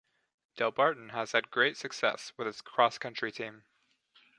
Delbarton has had great success with its cross country team.